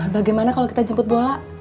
bagaimana kalau kita jemput bola